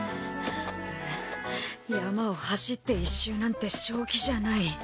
山を走って一周なんて正気じゃない。